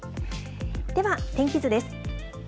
では、天気図です。